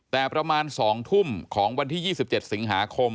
แต่ประมาณ๒ทุ่มของวันที่๒๗สิงหาคม